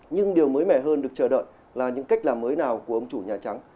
nhưng điều mới mẻ hơn được chờ đợi là những cách làm mới nào của ông chủ nhà trắng